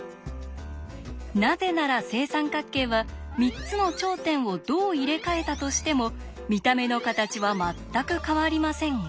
なぜなら正三角形は３つの頂点をどう入れ替えたとしても見た目の形は全く変わりませんが